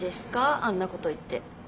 あんなこと言って。